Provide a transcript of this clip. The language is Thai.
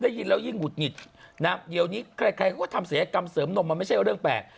ได้ยินแล้วยิ่งหุดหงิดนะเดี๋ยวนี้ใครเขาก็ทำศัยกรรมเสริมนมมันไม่ใช่เรื่องแปลก